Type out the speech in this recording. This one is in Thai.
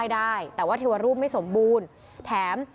ได้แต่ว่าเทวรูปไม่สมบูรณ์แถม